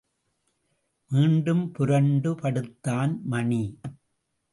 மீண்டும் புரண்டு படுத்தான் மணி.